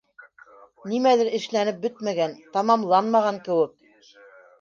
Нимәлер эшләнеп бөтмәгән, тамамланмаған кеүек.